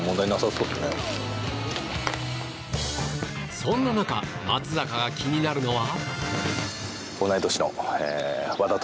そんな中松坂が気になるのは。